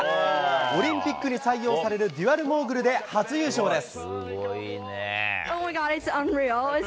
オリンピックに採用されるデュアルモーグルで初優勝です。